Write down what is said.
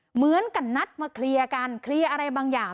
เหมือนกับนัดมาเคลียร์กันเคลียร์อะไรบางอย่าง